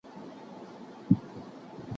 ماشومان باید په لاره کې په احتیاط سره لاړ شي.